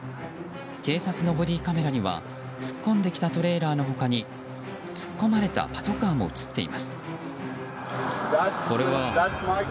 警察のボディーカメラには突っ込んできたトレーラーの他に突っ込まれたパトカーも映っています。